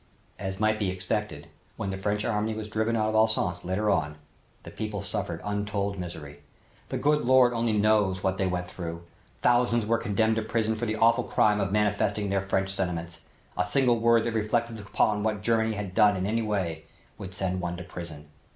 As might be expected, when the French army was driven out of Alsace later on, the people suffered untold misery. The Good Lord only knows what they went through. Thousands were condemned to prison for the awful crime of manifesting their French sentiments. A single word that reflected upon what Germany had done in any way would send one to prison.